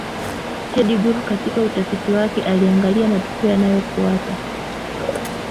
ted gurr katika utafiti wake aliangalia matukio yaliyofuata